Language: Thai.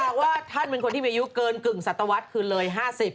บอกว่าท่านเป็นคนที่มีอายุเกินกึ่งสัตวรรษคืนเลย๕๐